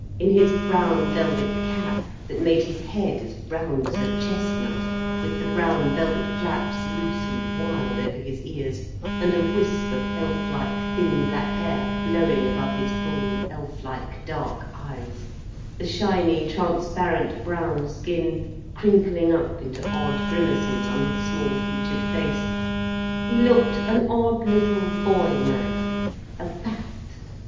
In his brown velvet cap, that made his head as round as a chestnut, with the brown velvet flaps loose and wild over his ears, and a wisp of elf like, thin black hair blowing above his full, elf like dark eyes, the shiny, transparent brown skin crinkling up into odd grimaces on his small featured face, he looked an odd little boy man, a bat.